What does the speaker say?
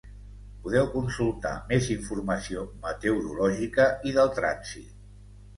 Podeu consultar més informació meteorològica i del trànsit.